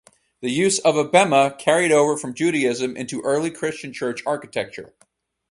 The use of a bema carried over from Judaism into early Christian church architecture.